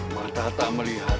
mata tak melihat